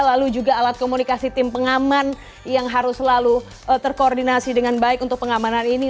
lalu juga alat komunikasi tim pengaman yang harus selalu terkoordinasi dengan baik untuk pengamanan ini